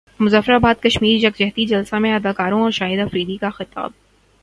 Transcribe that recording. مظفراباد کشمیر یکجہتی جلسہ میں اداکاروں اور شاہد افریدی کا خطاب